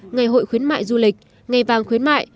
ngày hội khuyến mại du lịch ngày vàng khuyến mại